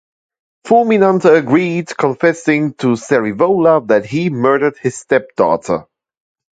Fulminante agreed, confessing to Sarivola that he murdered his stepdaughter.